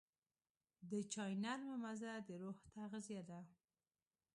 د چای نرمه مزه د روح تغذیه ده.